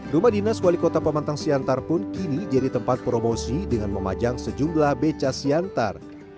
rumah dinas wali kota pemantang siantar pun kini jadi tempat promosi dengan memajang sejumlah beca siantar